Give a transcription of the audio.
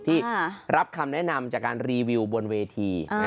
ที่รับคำแนะนำจากการรีวิวบนเวที